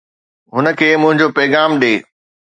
هن کي منهنجو پيغام ڏي